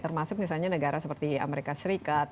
termasuk misalnya negara seperti amerika serikat